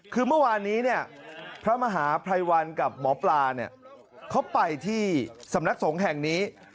คือเมื่อวานนี้เนี่ยพระมหาภัยวันกับหมอปลาเนี่ยเขาไปที่สำนักสงฆ์แห่งนี้